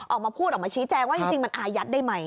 ออกมาพูดออกมาชี้แจงว่าจริงมันอายัดได้ไหม